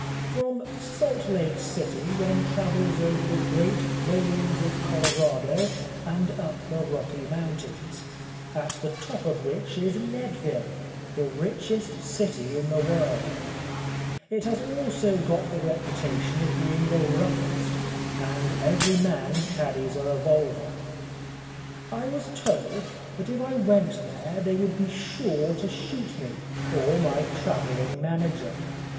From Salt Lake City one travels over the great plains of Colorado and up the Rocky Mountains, on the top of which is Leadville, the richest city in the world. It has also got the reputation of being the roughest, and every man carries a revolver. I was told that if I went there they would be sure to shoot me or my travelling manager.